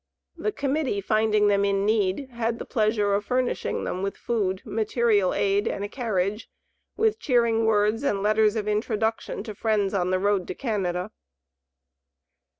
The Committee finding them in need, had the pleasure of furnishing them with food, material aid and a carriage, with cheering words and letters of introduction to friends on the road to Canada.